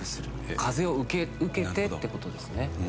風を受けてってことですね。